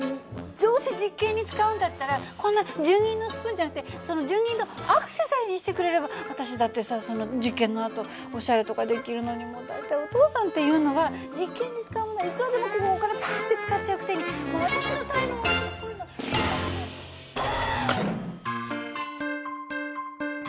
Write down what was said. どどうせ実験に使うんだったらこんな純銀のスプーンじゃなくてその純銀のアクセサリーにしてくれれば私だってさその実験のあとおしゃれとかできるのにもう大体お父さんっていうのは実験に使うものはいくらでもこうお金パッて使っちゃうくせに私のためのものとかそういうのは。